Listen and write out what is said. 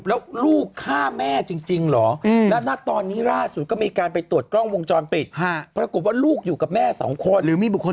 แล้วข้อมูลตอนนี้มันมีเงื่อนงำปฎิวน์เป็นมีเงื่อนงำมเดี๋ยวก่อน